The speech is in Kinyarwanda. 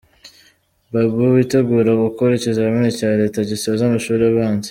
Babou witegura gukora ikizamini cya Leta gisoza amashuri abanza.